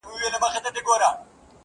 د نن ماښام راهيسي يــې غمونـه دې راكــړي،